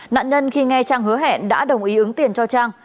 nạn nhân khi nghe trang hứa hẹn đã đồng ý ứng tiền cho trang